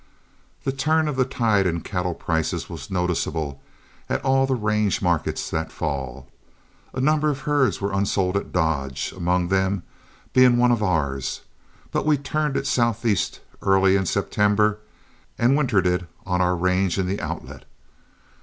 The turn of the tide in cattle prices was noticeable at all the range markets that fall. A number of herds were unsold at Dodge, among them being one of ours, but we turned it southeast early in September and wintered it on our range in the Outlet.